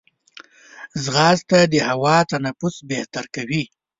ځغاسته د هوا تنفس بهتر کوي